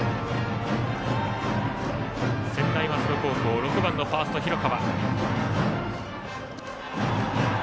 専大松戸高校６番ファーストの広川。